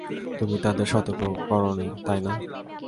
তুমি তাদের সতর্কও করেনি, তাই না?